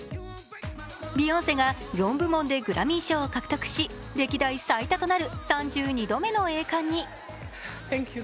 ビヨンセが４部門でグラミー賞を獲得し、歴代最多となる３２度目の栄冠に。